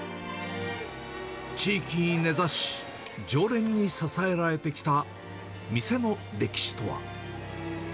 地域に根ざし、常連に支えられてきた、店の歴史とは。